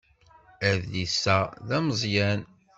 Adlis-a d ameẓẓyan